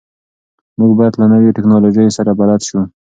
موږ باید له نویو ټکنالوژیو سره بلد سو.